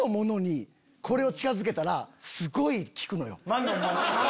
魔のもの？